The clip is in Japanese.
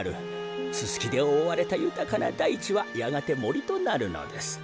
ススキでおおわれたゆたかなだいちはやがてもりとなるのです。